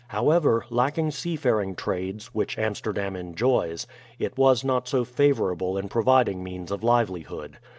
However, lacking sea faring trades, which Amsterdam enjoys, it was not so favourable in providing means of livelihood.